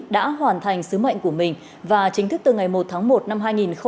đã hoàn thành sứ mệnh của mình và chính thức từ ngày một tháng một năm hai nghìn hai mươi